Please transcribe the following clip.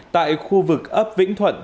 tại khu vực ấp vĩnh thuận